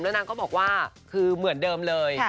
นางก็บอกว่าคือเหมือนเดิมเลย